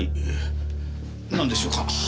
なんでしょうか？